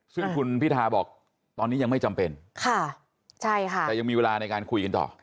ซึ่งคุณพิทาบอกตอนนี้ยังไม่จำเป็นค่ะใช่ค่ะแต่ยังมีเวลาในการคุยกันต่อ